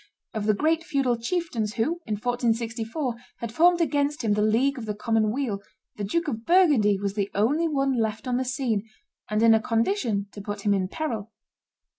Of the great feudal chieftains who, in 1464, had formed against him the League of the common weal, the Duke of Burgundy was the only one left on the scene, and in a condition to put him in peril.